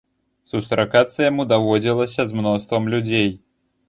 Сустракацца яму даводзілася з мноствам людзей.